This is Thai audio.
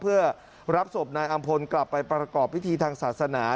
เพื่อรับศพนายอำพลกลับไปประกอบพิธีทางศาสนา